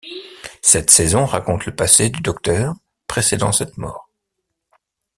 Cette saison raconte le passé du Docteur précédant cette mort.